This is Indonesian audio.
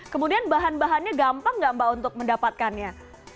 kemudian bahan bahannya gampang nggak mbak untuk mendapatkannya